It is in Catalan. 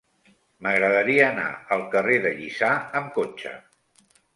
M'agradaria anar al carrer de Lliçà amb cotxe.